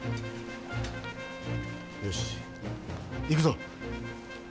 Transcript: よし行くぞ！